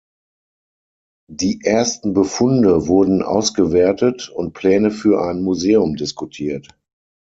Die ersten Befunde wurden ausgewertet und Pläne für ein Museum diskutiert.